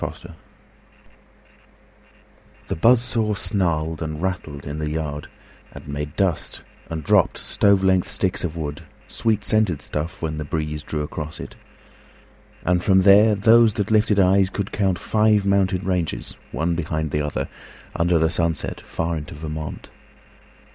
"Out, Out—" THE BUZZ SAW snarled and rattled in the yardAnd made dust and dropped stove length sticks of wood, Sweet scented stuff when the breeze drew across it. And from there those that lifted eyes could countFive mountain ranges one behind the otherUnder the sunset far into Vermont.